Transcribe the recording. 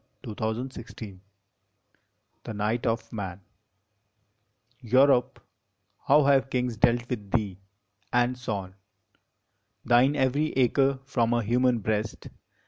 ON THE GREAT WAR THE NIGHT OF MAN Europe, how have kings dealt with thee, and sown Thine every acre from a human breast